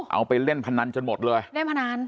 เอาไปเล่นพนันจนหมดเลยเล่นพนัน